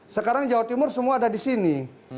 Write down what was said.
sekarang jawa timur semua ada di sini